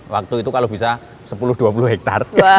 waktu itu kalau bisa sepuluh dua puluh hektare